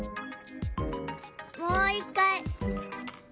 もう一回。